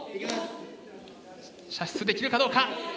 射出できるかどうか？